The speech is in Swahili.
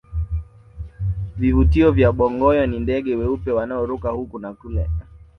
vivutio vya bongoyo ni ndege weupe wanaoruka huku na kule